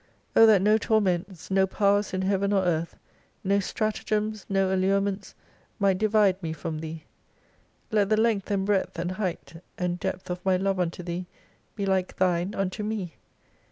O that no torments, no powers in heaven or earth, no stratagems, no allurements might divide me from Thee. Let the length and breadth and height and depth of my love unto Thee be like Thine unto me.